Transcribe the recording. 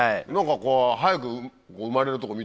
早く生まれるとこ見たいね。